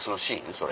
それ。